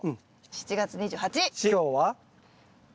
７月２８！